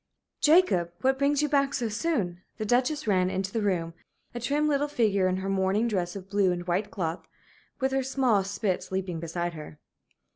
XX "Jacob, what brings you back so soon?" The Duchess ran into the room, a trim little figure in her morning dress of blue and white cloth, with her small spitz leaping beside her.